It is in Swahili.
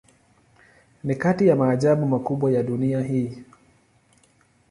Ni kati ya maajabu makubwa ya dunia hii.